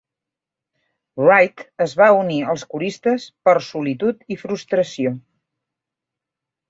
Wright es va unir als coristes per solitud i frustració.